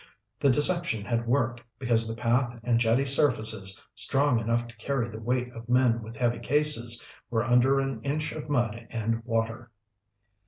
The deception had worked, because the path and jetty surfaces, strong enough to carry the weight of men with heavy cases, were under an inch of mud and water!